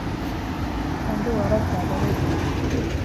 ކަނޑުވަރަށް ގަދަ ވެއްޖެ